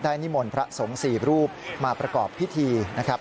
นิมนต์พระสงฆ์๔รูปมาประกอบพิธีนะครับ